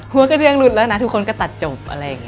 หัวกระเดืองหลุดแล้วนะทุกคนก็ตัดจบ